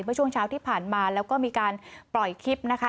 ช่วงเช้าที่ผ่านมาแล้วก็มีการปล่อยคลิปนะคะ